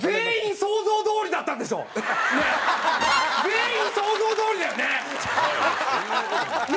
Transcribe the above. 想像どおりだよね？